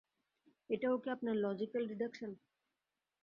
এটাও কি আপনার লজিক্যাল ডিডাকশান?